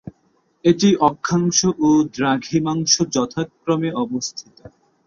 এটি অক্ষাংশ ও দ্রাঘিমাংশ যথাক্রমে অবস্থিত।